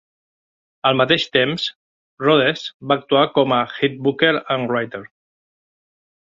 Al mateix temps, Rhodes va actuar com a "head booker and writer".